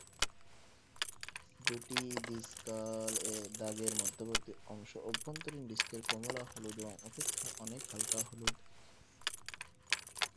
দুটি ডিসকাল দাগ এর মধ্যবর্তী অংশ অভ্যন্তরীণ ডিস্কের কমলা হলুদ রঙ অপেক্ষা অনেক হালকা হলুদ।